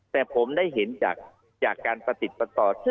แต่ผมได้เห็นจากการประติดประต่อ